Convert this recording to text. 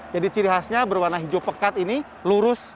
jadi ciri khasnya berwarna hijau pekat ini lurus